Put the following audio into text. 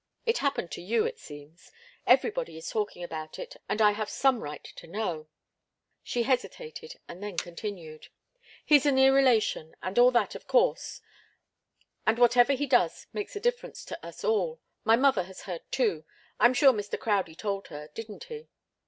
It happened to you, it seems. Everybody is talking about it, and I have some right to know " She hesitated and then continued. "He's a near relation and all that, of course, and whatever he does makes a difference to us all my mother has heard, too I'm sure Mr. Crowdie told her. Didn't he?"